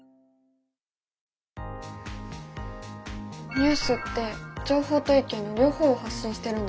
ニュースって情報と意見の両方を発信してるんだね。